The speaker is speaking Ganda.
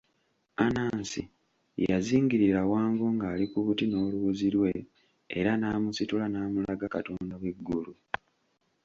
Anansi yazingirira Wango ng'ali ku buti n'oluwuzi lwe era n'amusitula n'amulaga katonda w'eggulu.